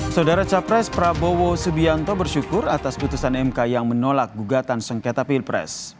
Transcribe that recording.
saudara capres prabowo subianto bersyukur atas putusan mk yang menolak gugatan sengketa pilpres